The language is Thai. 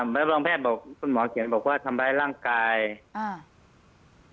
ใบรับรองแพทย์บอกคุณหมอเขียนบอกว่าโดนทำลายร่างกายแบบไหน้หัก